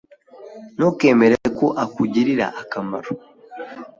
Ntukemere ko akugirira akamaro.